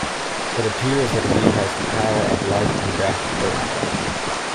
It appears that he has the power of life-and-death over her.